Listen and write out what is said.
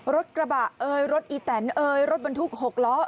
รถกระบะรถอีแต่ลรถบรรทุกหกล้อ